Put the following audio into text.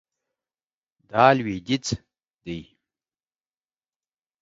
دا لویدیځ دی